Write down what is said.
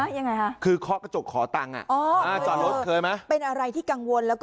ยังไงคะคือเคาะกระจกขอตังค์อ่ะอ๋ออ่าจอดรถเคยไหมเป็นอะไรที่กังวลแล้วก็